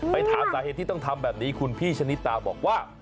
ถามสาเหตุที่ต้องทำแบบนี้คุณพี่ชนิตาบอกว่า